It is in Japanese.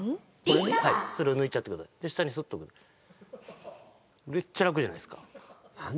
はいそれを抜いちゃってくださいで下にそっと置くめっちゃ楽じゃないっすか？